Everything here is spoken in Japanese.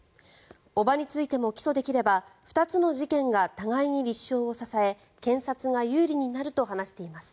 叔母についても起訴できれば２つの事件が互いに立証を支え検察が有利になると話しています。